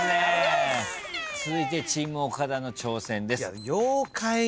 続いてチーム岡田の挑戦です。